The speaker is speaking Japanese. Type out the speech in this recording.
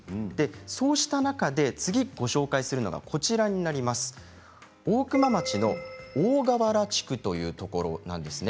そうした中で次にご紹介するのは大熊町の大川原地区というところなんです。